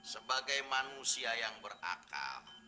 sebagai manusia yang berakal